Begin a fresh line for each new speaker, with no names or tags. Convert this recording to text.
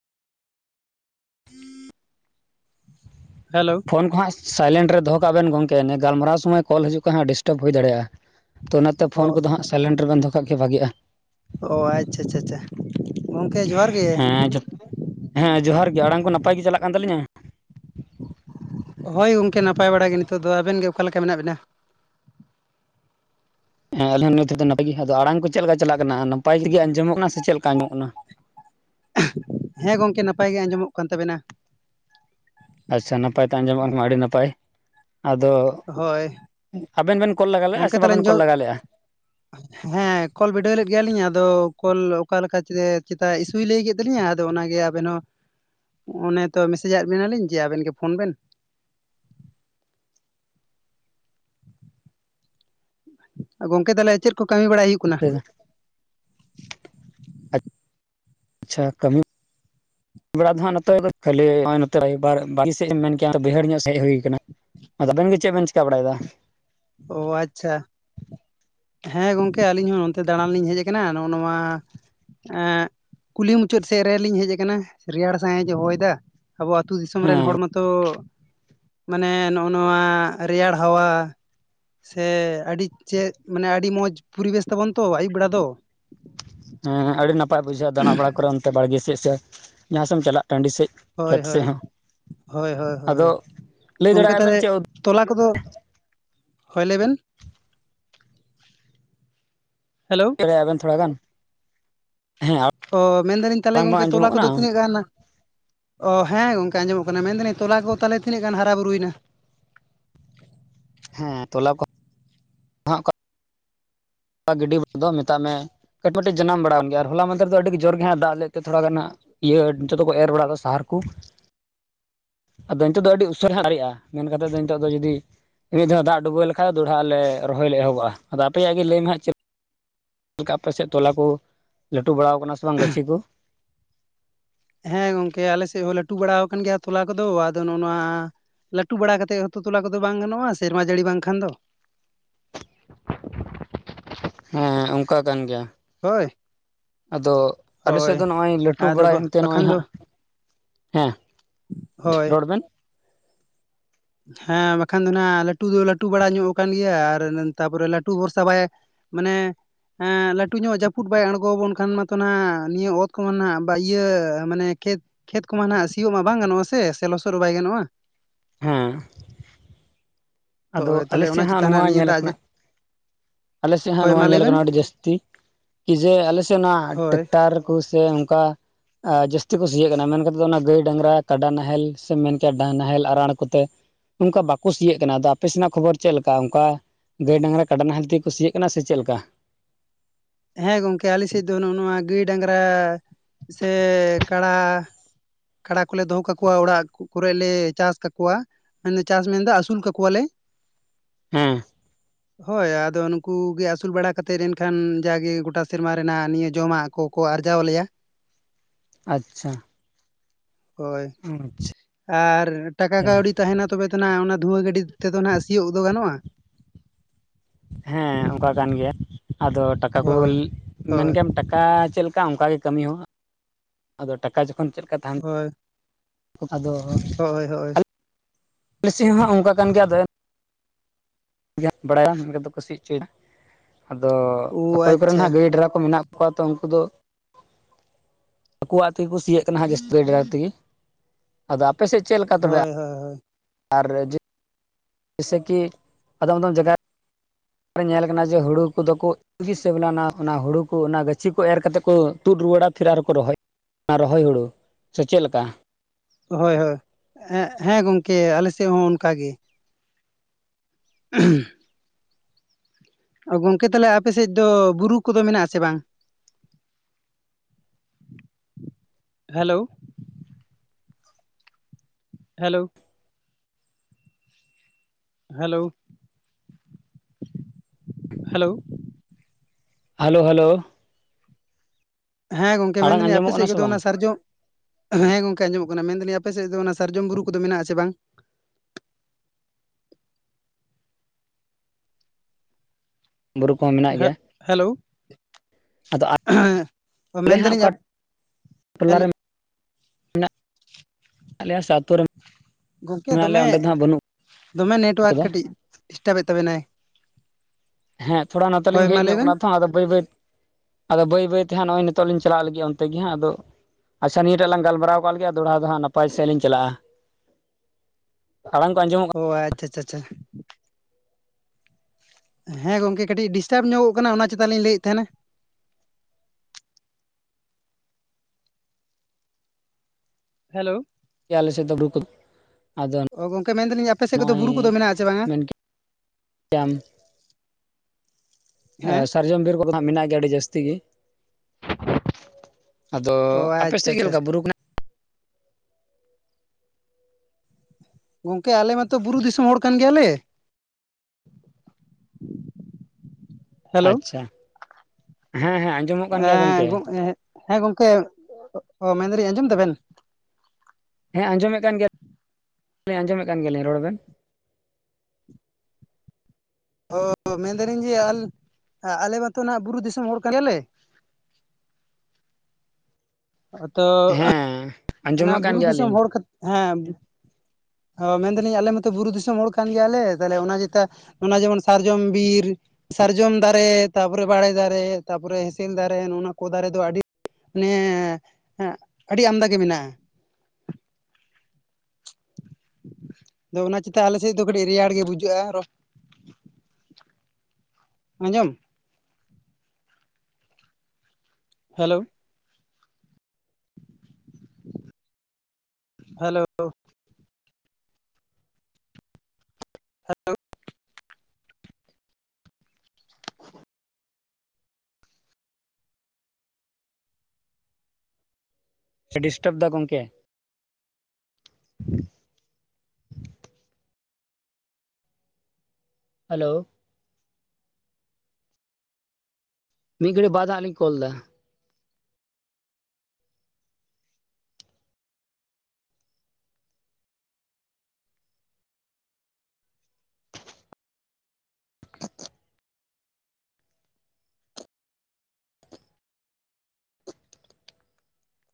Hello.
Phone ᱠᱚ ᱦᱟᱸᱜ silent ᱨᱮ ᱫᱚᱦᱚ ᱠᱟᱜ ᱵᱮᱱ ᱜᱚᱝᱠᱮ ᱱᱮ ᱜᱟᱞᱢᱟᱨᱟᱣ ᱥᱚᱢᱚᱭ ᱠᱚᱞ ᱦᱤᱡᱩᱜ ᱠᱷᱟᱡ ᱦᱟᱸᱜ ᱰᱤᱥᱴᱟᱵ ᱦᱩᱭ ᱫᱟᱲᱮᱭᱟᱜᱼᱟ ᱾ ᱛᱚ ᱚᱱᱟᱛᱮ ᱯᱷᱳᱱ
ᱚ
ᱠᱚᱫᱚ ᱦᱟᱸᱜ ᱥᱟᱭᱞᱮᱱᱴ ᱨᱮᱵᱮᱱ ᱫᱚᱦᱚ ᱠᱟᱜ ᱠᱷᱟᱡ ᱜᱮ ᱵᱷᱟᱜᱤᱜᱼᱟ ᱾
ᱚ ᱟᱪᱪᱷᱟ ᱟᱪᱪᱷᱟ ᱟᱪᱪᱷᱟ ᱾
ᱦᱮᱸ, ᱦᱮᱸ ᱡᱚᱦᱟᱨ ᱜᱮ, ᱟᱲᱟᱝ ᱠᱚ ᱱᱟᱯᱟᱭ ᱜᱮ ᱪᱟᱞᱟᱜ ᱠᱟᱱ ᱛᱟᱞᱤᱧᱟ?
ᱦᱳᱭ ᱜᱚᱝᱠᱮ ᱱᱟᱯᱟᱭ ᱵᱟᱲᱟ ᱜᱮ ᱱᱤᱛᱚᱜ ᱫᱚ ᱾ ᱟᱵᱮᱱ ᱜᱮ ᱚᱠᱟ ᱞᱮᱠᱟ ᱢᱮᱱᱟᱜ ᱵᱮᱱᱟ?
ᱦᱮᱸ ᱟᱞᱤᱧ ᱦᱚᱸ ᱱᱤᱛᱚᱜ ᱫᱚ ᱱᱟᱯᱟᱭ ᱜᱮ, ᱟᱫᱚ ᱟᱲᱟᱝ ᱠᱚ ᱪᱮᱫ ᱞᱮᱠᱟ ᱪᱟᱞᱟᱜ ᱠᱟᱱᱟ ᱱᱟᱯᱟᱭ ᱛᱮᱜᱮ ᱟᱸᱡᱚᱢᱚᱜ ᱠᱟᱱᱟ ᱥᱮ ᱪᱮᱫ ᱞᱮᱠᱟ ᱟᱸᱡᱚᱢᱚᱜ ᱠᱟᱱᱟ?
ᱦᱮᱸ ᱜᱚᱝᱠᱮ ᱱᱟᱯᱟᱭ ᱜᱮ ᱟᱸᱡᱚᱢᱚᱜ ᱠᱟᱱ ᱛᱟᱵᱮᱱᱟ᱾
ᱟᱪᱷᱟ ᱱᱟᱯᱟᱭ ᱛᱮ ᱟᱸᱡᱚᱢᱚᱜ [unintelligible] ᱟᱹᱰᱤ ᱱᱟᱯᱟᱭ, ᱟᱫᱚ
ᱦᱳᱭ᱾
ᱟᱵᱮᱱ ᱵᱮᱱ ᱠᱚᱞ ᱞᱟᱜᱟᱣ ᱞᱮᱜᱼᱟ
ᱜᱚᱝᱠᱮ
ᱥᱮ
ᱛᱟᱦᱚᱞᱮ
ᱵᱟᱵᱮᱱ ᱠᱚᱞ
ᱡᱚᱜ
ᱞᱟᱜᱟᱣ ᱞᱮᱜᱼᱟ?
ᱦᱮᱸ ᱠᱚᱞ ᱵᱤᱰᱟᱹᱣ ᱞᱮᱫ ᱜᱮᱭᱟᱞᱤᱧ ᱟᱫᱚ ᱠᱚᱞ ᱚᱠᱟ ᱞᱮᱠᱟ ᱪᱮ ᱪᱮᱛᱟ ᱤᱥᱩᱭ ᱞᱟᱹᱭ ᱠᱮᱫ ᱛᱟᱞᱤᱧᱟ ᱟᱫᱚ ᱚᱱᱟᱜᱮ ᱟᱵᱮᱱ ᱦᱚᱸ, ᱚᱱᱮ ᱛᱚ ᱢᱮᱥᱮᱡᱟᱫ ᱵᱮᱱᱟᱞᱤᱧ ᱡᱮ ᱟᱵᱮᱱ ᱜᱮ ᱯᱷᱳᱱ ᱵᱮᱱ᱾ ᱜᱚᱝᱠᱮ ᱛᱟᱦᱮᱞᱮ ᱪᱮᱫ ᱠᱚ ᱠᱟᱹᱢᱤ ᱵᱟᱲᱟᱭ ᱦᱩᱭᱩᱜ ᱠᱟᱱᱟ?
ᱟᱪᱪᱷᱟ ᱠᱟᱹᱢᱤ ᱵᱟᱲᱟ ᱫᱚ ᱦᱟᱸᱜ ᱱᱚᱛᱚᱜ ᱫᱚ ᱠᱷᱟᱹᱞᱤ ᱦᱚᱸᱜ-ᱚᱭ ᱱᱚᱛᱮ [unintelligible] ᱥᱮᱫ ᱮᱢ ᱢᱮᱱ ᱠᱮᱭᱟ ᱱᱚᱛᱮ ᱵᱟᱹᱭᱦᱟᱹᱲ ᱧᱚᱜ ᱥᱮᱫ ᱦᱩᱭ ᱠᱟᱱᱟ᱾ ᱟᱫᱚ ᱟᱵᱮᱱ ᱜᱮ ᱪᱮᱜ ᱵᱮᱱ ᱪᱤᱠᱟ ᱵᱟᱲᱟᱭᱮᱫᱟ?
ᱚ ᱟᱪᱪᱷᱟ ᱾ ᱦᱮᱸ ᱜᱚᱝᱠᱮ ᱟᱹᱞᱤᱧ ᱦᱚᱸ ᱱᱚᱛᱮ ᱫᱟᱬᱟᱱ ᱞᱤᱧ ᱦᱮᱡ ᱟᱠᱟᱱᱟ ᱱᱚᱜᱼᱚ ᱱᱚᱣᱟ ᱠᱩᱞᱦᱤ ᱢᱩᱪᱟᱹᱫ ᱥᱮᱫ ᱨᱮᱞᱤᱧ ᱦᱮᱡ ᱟᱠᱟᱱᱟ, ᱨᱮᱭᱟᱲ ᱥᱟᱸᱦᱤᱡ ᱦᱚᱭᱮᱫᱟ᱾ ᱟᱵᱚ ᱟᱹᱛᱩ ᱫᱤᱥᱚᱢ ᱨᱮᱱ
ᱦᱮᱸ
ᱦᱚᱲ ᱢᱟᱛᱚ, ᱢᱟᱱᱮ ᱱᱚᱜᱼᱚ ᱱᱚᱣᱟ ᱨᱮᱭᱟᱲ ᱦᱟᱣᱟ ᱥᱮ ᱟᱹᱰᱤ ᱪᱮᱫ ᱢᱟᱱᱮ ᱟᱹᱰᱤ ᱢᱚᱡᱽ ᱯᱚᱨᱤᱵᱮᱥ ᱛᱟᱵᱚᱱ ᱛᱚ ᱟᱹᱭᱩᱵ ᱵᱮᱲᱟ ᱫᱚ ᱾
ᱦᱮᱸ ᱟᱹᱰᱤ ᱱᱟᱯᱟᱭ ᱵᱩᱡᱷᱟᱹᱜᱼᱟ ᱫᱟᱲᱟ ᱵᱟᱲᱟ ᱠᱚᱨᱮ ᱚᱱᱛᱮ ᱵᱟᱲᱜᱮ ᱥᱮᱡ ᱥᱮ ᱡᱟᱦᱟᱸᱥᱮᱫ ᱮᱢ ᱪᱟᱞᱟᱜ ᱴᱟᱺᱰᱤ ᱥᱮᱫ ᱾
ᱦᱚᱭ ᱦᱚᱭ, ᱦᱚᱭ ᱦᱚᱭ ᱦᱚᱭ
ᱟᱫᱚ ᱞᱟᱹᱭ
ᱜᱚᱝᱠᱮ
ᱫᱟᱲᱮᱭᱟᱜᱼᱟ ᱵᱮᱱ
ᱛᱟᱦᱚᱞᱮᱼᱼ
ᱪᱮᱫ ᱩᱫᱩᱜ
ᱛᱚᱞᱟ ᱠᱚᱫᱚ, ᱦᱳᱭ ᱞᱟᱹᱭ ᱵᱮᱱ? ᱦᱮᱞᱳ ᱾
ᱞᱟᱹᱭ ᱟᱵᱮᱱ ᱛᱷᱚᱲᱟ ᱜᱟᱱ ᱾
ᱚ ᱢᱮᱱᱫᱟᱞᱤᱧ ᱛᱟᱦᱚᱞᱮ
ᱟᱲᱟᱝ ᱵᱟᱝ
ᱜᱚᱝᱠᱮ
ᱟᱸᱡᱚᱢᱚᱜ
ᱛᱚᱞᱟ
ᱠᱟᱱᱟ
ᱠᱚᱫᱚ ᱛᱤᱱᱟᱹᱜ ᱜᱟᱱᱼᱼ ᱚ ᱦᱮᱸ ᱜᱚᱝᱠᱮ ᱟᱸᱡᱚᱢᱚᱜ ᱠᱟᱱᱟ, ᱢᱮᱱᱫᱟᱹᱧ ᱛᱚᱞᱟ ᱠᱚ ᱛᱟᱦᱮ ᱛᱤᱱᱟᱹᱜ ᱜᱟᱱ ᱦᱟᱨᱟ ᱵᱩᱨᱩᱭᱮᱱᱟ?
ᱦᱮᱸ ᱛᱚᱞᱟ ᱠᱚᱼᱼ [unintelligible] ᱜᱟᱹᱰᱤ ᱫᱚ ᱢᱮᱛᱟᱜ ᱢᱮ ᱠᱟᱹᱴᱤᱡ ᱢᱟᱹᱴᱤᱡ ᱡᱟᱱᱟᱢ ᱵᱟᱲᱟᱣ ᱜᱮᱭᱟ ᱦᱚᱞᱟ ᱢᱟᱫᱷᱮ ᱫᱚ ᱟᱹᱰᱤ ᱡᱚᱨ ᱜᱮ ᱦᱟᱸᱜ ᱫᱟᱜ ᱛᱮ ᱛᱷᱚᱲᱟ ᱜᱟᱱᱟᱜᱼᱼ ᱤᱭᱟᱹ ᱱᱤᱛᱚᱜ ᱫᱚ ᱠᱚ ᱮᱨ ᱵᱟᱲᱟ ᱠᱟᱫᱟ ᱥᱟᱦᱟᱨ ᱠᱚ ᱾ ᱟᱫᱚ ᱱᱤᱛᱚᱜ ᱫᱚ ᱟᱹᱰᱤ ᱩᱥᱟᱹᱨᱟ ᱫᱟᱲᱮᱜᱼᱟ ᱢᱮᱱ ᱠᱟᱛᱮᱫ ᱫᱚ ᱱᱤᱛᱚᱜ ᱫᱚ ᱡᱩᱫᱤᱼᱼ ᱢᱤᱫ ᱫᱷᱟᱣ ᱫᱟᱜ ᱰᱩᱵᱟᱹ ᱞᱮᱠᱷᱟᱡ ᱫᱚᱲᱦᱟ ᱟᱞᱮ ᱨᱚᱦᱚᱭ ᱞᱮ ᱮᱦᱚᱵᱚᱜᱼᱟ ᱾ ᱟᱫᱚ ᱟᱯᱮᱭᱟᱜ ᱜᱮ ᱞᱟᱹᱭ ᱢᱮ ᱦᱟᱸᱜ ᱪᱮᱫ? ᱪᱮᱫ ᱞᱮᱠᱟ ᱟᱯᱮ ᱥᱮᱫ ᱛᱚᱞᱟ ᱠᱚ ᱞᱟᱹᱴᱩ ᱵᱟᱲᱟ ᱟᱠᱟᱱᱟ ᱥᱮ ᱵᱟᱝ ᱜᱟᱹᱪᱷᱤ ᱠᱚ?
ᱦᱮᱸ ᱜᱚᱝᱠᱮ ᱟᱞᱮ ᱥᱮᱫ ᱦᱚᱸ ᱞᱟᱹᱴᱩ ᱵᱟᱲᱟ ᱟᱠᱟᱱ ᱜᱮᱭᱟ ᱛᱚᱞᱟ ᱠᱚᱫᱚ, ᱟᱫᱚ ᱱᱚᱜᱼᱚ ᱱᱚᱣᱟᱼᱼ ᱞᱟᱹᱴᱩ ᱵᱟᱲᱟ ᱠᱟᱛᱮᱫ ᱦᱚᱛᱚ ᱛᱚᱞᱟ ᱠᱚᱫᱚ ᱵᱟᱝ ᱜᱟᱱᱚᱜᱼᱟ ᱥᱮᱨᱢᱟ ᱡᱟᱹᱲᱤ ᱵᱟᱝ ᱠᱷᱟᱱ ᱫᱚ ᱾
ᱦᱮᱸ ᱚᱱᱠᱟ ᱠᱟᱱ ᱜᱮᱭᱟ
ᱦᱳᱭ
᱾ ᱟᱫᱚ ᱟᱞᱮ
ᱦᱳᱭ
ᱥᱮᱫ ᱫᱚ ᱱᱚᱜᱼᱚᱭ ᱞᱟᱹᱴᱩ
ᱟᱫᱚ
ᱵᱟᱲᱟᱭ ᱮᱱᱛᱮ
ᱵᱟᱠᱷᱟᱱ
ᱱᱚᱜᱼᱚᱭ
ᱫᱚ
ᱦᱟᱸᱜᱼᱼ ᱦᱮᱸ,
ᱦᱳᱭ
ᱨᱚᱲ ᱵᱮᱱᱼᱼ
ᱦᱮᱸ ᱵᱟᱠᱷᱟᱱ ᱫᱚ ᱦᱟᱜ ᱞᱟᱹᱴᱩ ᱫᱚ ᱞᱟᱹᱴᱩ ᱵᱟᱲᱟ ᱧᱚᱜ ᱟᱠᱟᱱ ᱜᱮᱭᱟ, ᱟᱨ ᱛᱟᱯᱚᱨᱮ ᱞᱟᱹᱴᱩ ᱵᱷᱚᱨᱥᱟ ᱵᱟᱭᱼᱼ ᱢᱟᱱᱮᱼᱼ ᱞᱟᱹᱴᱩ ᱧᱚᱜ ᱡᱟᱹᱯᱩᱫ ᱵᱟᱭ ᱟᱬᱜᱚᱣᱟᱵᱚᱱ ᱠᱷᱟᱱ ᱢᱟᱛᱚ ᱱᱟᱜ ᱱᱤᱭᱟᱹ ᱚᱛ ᱠᱚᱢᱟ ᱦᱟᱸᱜ ᱵᱟ ᱤᱭᱟᱹ ᱢᱟᱱᱮ ᱠᱷᱮᱛᱼᱼ ᱠᱷᱮᱛ ᱠᱚᱢᱟ ᱱᱟᱜ ᱥᱤᱭᱳᱜ ᱢᱟ ᱵᱟᱝ ᱜᱟᱱᱚᱜᱼᱟ ᱥᱮ, ᱥᱮ ᱞᱚᱥᱚᱫ ᱦᱚᱸ ᱵᱟᱭ ᱜᱟᱱᱚᱜᱼᱟ ᱾
ᱦᱩᱸ ᱟᱫᱚ
ᱦᱳᱭ ᱛᱟᱦᱚᱞᱮ ᱚᱱᱟ
ᱟᱞᱮᱥᱮᱫ ᱦᱟᱜ
ᱪᱮᱛᱟᱱ
ᱱᱚᱣᱟ
ᱦᱟᱸᱜ ᱱᱤᱭᱟᱹ
ᱧᱮᱞ
ᱫᱟᱜ
ᱠᱟᱱᱟᱼᱼ ᱟᱞᱮᱥᱮᱫ ᱦᱟᱸᱜ
ᱦᱳᱭ
ᱱᱚᱣᱟ
ᱢᱟ ᱞᱟᱹᱭ
ᱧᱮᱞ
ᱵᱮᱱ
ᱟᱠᱟᱱᱟ ᱟᱹᱰᱤ ᱡᱟᱹᱥᱛᱤ ᱠᱤ ᱡᱮ ᱟᱞᱮᱥᱮᱫ ᱱᱟᱜ
ᱦᱳᱭ
ᱴᱮᱠᱴᱟᱨᱼᱼ ᱠᱩ ᱥᱮ ᱚᱱᱠᱟᱼᱼ ᱡᱟᱹᱥᱛᱤ ᱠᱚ ᱠᱩᱥᱤᱭᱟᱜ ᱠᱟᱱᱟ ᱢᱮᱱᱠᱷᱟᱱ ᱫᱚ ᱚᱱᱟ ᱜᱟᱹᱭ ᱰᱟᱝᱨᱟ ᱠᱟᱰᱟ ᱱᱟᱦᱮᱞ ᱥᱮ ᱢᱮᱱ ᱠᱮᱭᱟ ᱰᱟᱝ ᱱᱟᱦᱮᱞ ᱟᱨᱟᱲ ᱠᱚᱛᱮᱼᱼ ᱱᱚᱝᱠᱟ ᱵᱟᱠᱚ ᱥᱤᱭᱜ ᱠᱟᱱᱟ, ᱟᱫᱚ ᱟᱯᱮ ᱥᱮᱱᱟᱜ ᱠᱷᱚᱵᱚᱨ ᱪᱮᱫ ᱞᱮᱠᱟ ᱚᱱᱠᱟ ᱜᱟᱹᱭ ᱰᱟᱝᱨᱟ ᱠᱟᱰᱟ ᱱᱟᱦᱮᱞ ᱛᱮᱼᱼ ᱠᱩ ᱥᱤᱭᱟᱜ ᱠᱟᱱᱟ ᱥᱮ ᱪᱮᱫ ᱞᱮᱠᱟ?
ᱦᱮᱸ ᱜᱚᱝᱠᱮ ᱟᱞᱮ ᱥᱮᱫ ᱫᱚ ᱱᱚᱜᱼᱚ ᱱᱚᱣᱟ ᱜᱟᱹᱭ ᱰᱟᱝᱨᱟ ᱥᱮ ᱠᱟᱲᱟᱼᱼ ᱠᱟᱰᱟ ᱠᱚᱞᱮ ᱫᱚᱦᱚ ᱠᱟᱠᱚᱣᱟ ᱚᱲᱟᱜ ᱠᱚᱨᱮ ᱞᱮ ᱪᱟᱥ ᱠᱟᱠᱚᱣᱟ ᱾ ᱢᱮᱱ ᱫᱚ ᱪᱟᱥ ᱢᱮᱱᱫᱟ ᱟᱹᱥᱩᱞ ᱠᱟᱠᱚᱣᱟᱞᱮ ᱾
ᱦᱮᱸ
ᱦᱳᱭ ᱟᱫᱚ ᱱᱩᱠᱩ ᱜᱮ ᱟᱹᱥᱩᱞ ᱵᱟᱲᱟᱼᱼ ᱠᱟᱛᱮᱫ ᱮᱱᱠᱷᱟᱱ ᱡᱟᱜᱮ ᱜᱚᱴᱟ ᱥᱮᱨᱢᱟ ᱨᱮᱱᱟᱜ ᱱᱤᱭᱟᱹ ᱡᱚᱢᱟᱜ ᱠᱚᱠᱚ ᱟᱨᱡᱟᱣ ᱟᱞᱮᱭᱟ ᱾
ᱟᱪᱪᱷᱟ ᱾
ᱦᱚᱭ
ᱟᱪᱪᱷᱟ ᱾
ᱟᱨ ᱴᱟᱠᱟ ᱠᱟᱹᱣᱰᱤ ᱛᱟᱦᱮᱱᱟ ᱛᱚᱵᱮ ᱱᱟᱜ ᱚᱱᱟ ᱫᱷᱩᱣᱟᱹ ᱜᱟᱹᱰᱤ ᱛᱮᱫᱚ ᱱᱟᱜ ᱥᱤᱭᱳᱜ ᱫᱚ ᱜᱟᱱᱚᱜᱼᱟ ᱾
ᱦᱮᱸ ᱚᱱᱠᱟ ᱠᱟᱱ ᱜᱮᱭᱟ, ᱟᱫᱚ ᱴᱟᱠᱟ ᱠᱚ
ᱦᱳᱭ
ᱢᱮᱱ
ᱦᱳᱭ
ᱠᱮᱭᱟᱢᱼᱼ ᱴᱟᱠᱟ ᱪᱮᱫ ᱞᱮᱠᱟ ᱚᱱᱠᱟ ᱜᱮ ᱠᱟᱹᱢᱤ ᱦᱚᱸ ᱟᱫᱚ ᱴᱟᱠᱟ ᱡᱚᱠᱷᱚᱱ ᱪᱮᱫ ᱞᱮᱠᱟᱼᱼ
ᱦᱚᱭ
ᱟᱫᱚᱼᱼ
ᱦᱚᱭ ᱦᱚᱭ ᱾
ᱯᱮᱥᱤ [unintelligible] ᱦᱚᱸ ᱦᱟᱸᱜ ᱚᱱᱠᱟ ᱠᱟᱱ ᱜᱮᱭᱟ ᱟᱫᱚ ᱮᱱᱼᱼ [unintelligible] [unintelligible] ᱵᱟᱲᱟᱭᱟ [unintelligible] ᱦᱚᱪᱚᱭᱟ᱾ ᱟᱫᱚ
ᱳ
ᱚᱠᱚᱭ ᱠᱚᱨᱮᱱ
ᱟᱪᱪᱷᱟ
ᱱᱟᱦᱟᱜ ᱜᱟᱹᱭ ᱰᱨᱟ ᱠᱚ ᱢᱮᱱᱟᱜ ᱠᱚᱣᱟ ᱛᱚ ᱩᱱᱠᱩ ᱫᱚ ᱟᱠᱚᱣᱟᱜ ᱛᱤᱜᱮ ᱠᱚ ᱥᱤᱭᱮᱜ ᱠᱟᱱᱟ, ᱦᱟᱸᱜ ᱡᱟᱹᱥᱛᱤ [unintelligible] ᱵᱟᱲᱟ ᱛᱮᱜᱮ, ᱟᱫᱚ ᱟᱯᱮ ᱥᱮᱫ ᱪᱮᱫ ᱞᱮᱠᱟ ᱛᱚᱵᱮ?
[inaudible]
ᱟᱨ ᱡᱤᱼᱼ ᱡᱮᱥᱮ ᱠᱤ ᱟᱫᱚᱢ ᱟᱫᱚᱢ ᱡᱟᱜᱟ ᱧᱮᱞ ᱠᱟᱱᱟ ᱡᱮ ᱦᱩᱲᱩ ᱠᱩᱫᱚ ᱠᱚ ᱦᱩᱜᱤ ᱥᱮ ᱵᱚᱞᱮ ᱚᱱᱟ ᱚᱱᱟ ᱦᱩᱲᱩ ᱠᱚ ᱚᱱᱟ ᱜᱟᱹᱪᱷᱤ ᱠᱚ ᱮᱨ ᱠᱟᱛᱮᱫ ᱠᱚ ᱛᱩᱫ ᱨᱩᱣᱟᱹᱲᱟ ᱯᱷᱤᱨ ᱟᱨᱠᱚ ᱨᱚᱦᱚᱭ ᱚᱱᱟ ᱨᱚᱦᱚᱭ ᱦᱩᱲᱩ᱾ ᱥᱮ ᱪᱮᱫ ᱞᱮᱠᱟ?
ᱦᱳᱭ ᱦᱳᱭ, ᱦᱮᱸ ᱜᱚᱝᱠᱮ ᱟᱞᱮᱥᱮᱫ ᱦᱚᱸ ᱚᱱᱠᱟᱜ ᱜᱮ᱾ [inaudible] ᱚ ᱜᱚᱝᱠᱮ ᱛᱟᱦᱚᱞᱮ ᱟᱯᱮ ᱥᱮᱫ ᱫᱚ ᱵᱩᱨᱩ ᱠᱚᱫᱚ ᱢᱮᱱᱟᱜᱼᱟ ᱥᱮ ᱵᱟᱝ? Hello hello hello hello.
Hello hello.
ᱦᱮᱸ ᱜᱚᱝᱠᱮ ᱢᱮᱱ
ᱟᱲᱟᱝ
ᱫᱟᱞᱤᱧ ᱟᱯᱮ
ᱟᱸᱡᱚᱢᱚᱜ
ᱥᱮᱫ
ᱠᱟᱱᱟ ᱥᱮ
ᱠᱚᱫᱚ
ᱵᱟᱝ
ᱚᱱᱟ ᱥᱟᱨᱡᱚᱢ ᱦᱮᱸ ᱜᱚᱝᱠᱮ ᱟᱸᱡᱚᱢ ᱠᱟᱱᱟ᱾ ᱢᱮᱱ ᱫᱟᱞᱤᱧ ᱟᱯᱮ ᱥᱮᱫ ᱫᱚ ᱚᱱᱟ ᱥᱟᱨᱡᱚᱢ ᱵᱩᱨᱩ ᱠᱚᱫᱚ ᱢᱮᱱᱟᱜᱼᱟ ᱥᱮ ᱵᱟᱝ?
ᱵᱩᱨᱩ ᱠᱚᱦᱚᱸ ᱢᱮᱱᱟᱜ
ᱦᱮᱸ
ᱜᱮᱭᱟ᱾
ᱦᱮᱞᱳ᱾
ᱟᱫᱚ ᱟᱞᱮ ᱦᱟᱸᱜ
ᱢᱮᱱᱫᱟᱞᱤᱧ
ᱚᱠᱟ ᱴᱚᱞᱟᱨᱮ ᱢᱮᱱᱟᱜᱼᱼ ᱟᱞᱮᱭᱟ ᱥᱟ ᱟᱛᱩ ᱨᱮᱢ,
ᱜᱚᱝᱠᱮ
ᱢᱮᱱᱟᱜ
ᱫᱚᱢᱮ
ᱞᱮᱭᱟ ᱚᱸᱰᱮ ᱫᱚ ᱦᱟᱸᱜ ᱵᱟᱹᱱᱩᱜ ᱠᱚᱫᱚ᱾
ᱰᱤᱥᱴᱟᱯᱮᱫ ᱛᱟᱵᱮᱱᱟᱭ
ᱦᱮᱸ ᱛᱷᱚᱲᱟ ᱱᱚᱛᱮ
ᱦᱳᱭ
ᱞᱤᱧ ᱦᱮᱡ
ᱢᱟ ᱞᱟᱹᱭ
ᱧᱚᱜ
ᱵᱮᱱ
ᱠᱟᱱᱟ ᱛᱚ, ᱟᱫᱚ ᱵᱟᱹᱭ ᱵᱟᱹᱭ ᱟᱫᱚ ᱵᱟᱹᱭ ᱵᱟᱹᱭᱛᱮ ᱦᱟᱸᱜ ᱱᱚᱜᱼᱚᱭ ᱱᱤᱛᱚᱜ ᱞᱤᱧ ᱪᱟᱞᱟᱜ ᱞᱟᱹᱜᱤᱫ ᱚᱱᱛᱮ ᱜᱮ ᱦᱟᱸᱜ ᱟᱫᱚ ᱟᱪᱪᱷᱟ ᱱᱤᱭᱟᱹ ᱴᱟᱜ ᱞᱟᱝ ᱜᱟᱞᱢᱟᱨᱟᱣ ᱠᱟᱜ ᱞᱮᱜᱮ, ᱫᱚᱲᱦᱟ ᱫᱚ ᱦᱟᱸᱜ ᱱᱟᱯᱟᱭ ᱥᱮᱫ ᱞᱤᱧ ᱪᱟᱞᱟᱜᱼᱟ᱾ ᱟᱲᱟᱝ ᱠᱚ ᱟᱸᱡᱚᱢᱚᱜ ᱠᱟ
ᱚ ᱟᱪᱪᱷᱟ ᱪᱷᱟ ᱪᱷᱟ᱾ ᱦᱮᱸ ᱜᱚᱝᱠᱮ ᱠᱟᱹᱴᱤᱡ ᱰᱤᱥᱴᱟᱵ ᱧᱚᱜᱚᱜ ᱠᱟᱱᱟ ᱚᱱᱟ ᱪᱮᱛᱟᱜ ᱞᱤᱧ ᱞᱟᱹᱭᱮᱫ ᱛᱟᱦᱮᱸᱱᱟ᱾ ᱦᱮᱞᱳ᱾
ᱜᱮᱭᱟ ᱟᱞᱮ ᱥᱮᱫ ᱫᱚ ᱵᱩᱨᱩ ᱠᱚ ᱟᱫᱚ
ᱚ ᱜᱚᱝᱠᱮ ᱢᱮᱱᱫᱟᱞᱤᱧ ᱟᱯᱮ ᱥᱮᱫ ᱠᱚᱫᱚ
ᱱᱚᱜᱼᱚᱭ
ᱵᱩᱨᱩ ᱠᱚᱫᱚ ᱢᱮᱱᱟᱜᱼᱟ ᱪᱮ ᱵᱟᱝᱟ?
ᱡᱟᱢ ᱮ
ᱦᱮᱸ
ᱥᱟᱨᱡᱚᱢ ᱵᱤᱨ ᱠᱚᱫᱚ ᱦᱟᱸᱜ ᱢᱮᱱᱟᱜ ᱜᱮᱭᱟ ᱟᱹᱰᱤ ᱡᱟᱹᱥᱛᱤ ᱜᱮ᱾ ᱟᱫᱚ
ᱚ ᱟᱪᱪᱷᱟ
ᱟᱯᱮᱥᱮᱫ ᱪᱮᱫ
ᱟᱪᱪᱷᱟ
ᱞᱮᱠᱟ ᱵᱩᱨᱩ ᱠᱚᱱᱟ?
ᱜᱚᱝᱠᱮ ᱟᱞᱮ ᱢᱟᱛᱚ ᱵᱩᱨᱩ ᱫᱤᱥᱚᱢ ᱦᱚᱲ ᱠᱟᱱ ᱜᱮᱭᱟᱞᱮ᱾ [inaudible]
ᱟᱪᱪᱷᱟ ᱦᱮᱸ ᱦᱮᱸ ᱟᱧᱼᱼ
ᱮᱸ ᱜᱚᱝ ᱦᱮᱸ ᱜᱚᱝᱠᱮ ᱚ ᱢᱮᱱᱫᱟᱞᱤᱧ ᱟᱸᱡᱚᱢ ᱫᱟᱵᱮᱱ?
ᱦᱮᱸ ᱟᱸᱡᱚᱢᱮᱫ ᱠᱟᱱ ᱜᱮᱭᱟ, ᱟᱸᱡᱚᱢᱮᱫ ᱠᱟᱱ ᱜᱮᱭᱟᱞᱤᱧ ᱨᱚᱲ ᱵᱮᱱ᱾
ᱦᱚᱸ ᱢᱮᱱᱫᱟᱞᱤᱧ ᱡᱮ ᱟᱞ ᱟᱞᱮ ᱢᱟᱛᱚ ᱱᱟᱜ ᱵᱩᱨᱩ ᱫᱤᱥᱚᱢ ᱦᱚᱲ ᱠᱟᱱᱟᱞᱮ᱾ ᱟᱫᱚ
ᱦᱮᱸ
ᱩᱱᱟ
ᱟᱸᱡᱚᱢᱮᱫ ᱠᱟᱱ
ᱵᱩᱨᱩ ᱫᱤᱥᱚᱢ
ᱜᱮᱭᱟᱞᱤᱧ
ᱦᱚᱲ ᱦᱮᱸ, ᱚ ᱢᱮᱱᱫᱟᱞᱤᱧ ᱟᱞᱮ ᱢᱚᱛᱚ ᱵᱩᱨᱩ ᱫᱤᱥᱚᱢ ᱦᱚᱲ ᱠᱟᱱ ᱜᱮᱭᱟᱞᱮ, ᱛᱟᱦᱚᱞᱮ ᱚᱱᱟ ᱪᱮᱛᱟ ᱚᱱᱟ ᱡᱮᱢᱚᱱ ᱥᱟᱨᱡᱚᱢ ᱵᱤᱨ ᱥᱟᱨᱡᱚᱢ ᱫᱟᱨᱮ, ᱛᱟᱯᱚᱨᱮ ᱵᱟᱲᱮ ᱫᱟᱨᱮ, ᱛᱟᱯᱚᱨᱮ ᱦᱮᱸᱥᱮᱞ ᱫᱟᱨᱮ, ᱱᱚ ᱱᱚᱣᱟ ᱠᱚ ᱫᱟᱨᱮ ᱫᱚ ᱟᱹᱰᱤ ᱢᱟᱱᱮ ᱟᱹᱰᱤ ᱟᱢᱫᱟ ᱜᱮ ᱢᱮᱱᱟᱜᱼᱟ᱾ ᱟᱫᱚ ᱚᱱᱟ ᱪᱮᱛᱟ ᱟᱞᱮ ᱥᱮᱫ ᱫᱚ ᱠᱟᱹᱴᱤᱡ ᱨᱮᱭᱟᱲ ᱜᱮ ᱵᱩᱡᱟᱹᱜᱼᱟ᱾ ᱟᱨᱚ ᱟᱸᱡᱚᱢ? ᱦᱮᱞᱳ᱾ ᱦᱮᱞᱳ᱾ ᱦᱮᱞᱳ᱾
ᱥᱮ ᱰᱤᱥᱴᱟᱵ ᱫᱟ ᱜᱚᱝᱠᱮ? ᱦᱮᱞᱳ᱾ ᱢᱤᱫ ᱜᱟᱹᱲᱤᱡ ᱵᱟᱛ ᱦᱟᱸᱜ ᱞᱤᱧ ᱠᱚᱞ ᱫᱟ᱾ [unintelligible]